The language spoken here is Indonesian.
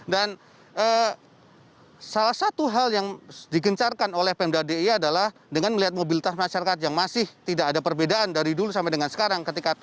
dan salah satu hal yang digencarkan oleh pmdade adalah dengan melihat mobilitas masyarakat yang masih tidak ada perbedaan dari dulu sampai dengan sekarang